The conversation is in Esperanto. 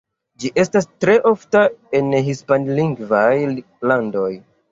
Ĝi estas tre ofta en hispanlingvaj landoj.